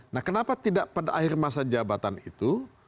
nah kenapa tidak pada akhir masa jabatan itu